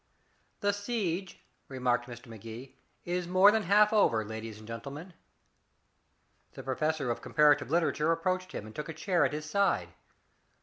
"The siege," remarked Mr. Magee, "is more than half over, ladies and gentlemen." The professor of Comparative Literature approached him and took a chair at his side.